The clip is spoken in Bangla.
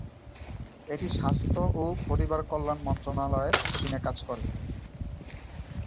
এটি স্বাস্থ্য ও পরিবার কল্যাণ মন্ত্রণালয়ের অধীনে কাজ করে।